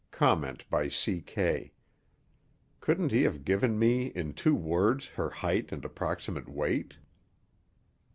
(Comment by C. K.: _Couldn't he have given me in two words her height and approximate weight?